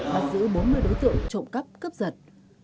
bắt giữ bốn mươi đối tượng trộm cắp cướp giật